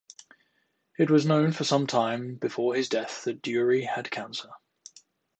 It was known for some time before his death that Dury had cancer.